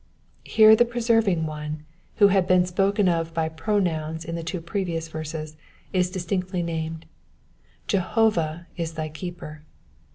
'*^ Here the preserving One, who had been spoken of by pronouns in the two previous verses, is distinctly named — Jehovah is thy keeper.